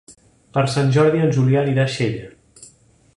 Per Sant Jordi en Julià anirà a Xella.